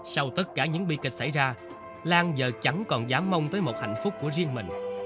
sau tất cả những bi kịch xảy ra lan giờ chẳng còn dám mong tới một hạnh phúc của riêng mình